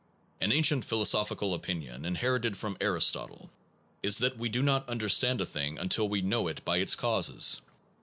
An ancient philosophical opinion, inherited from Aristotle, is that we do not understand a thing until we know it by its causes.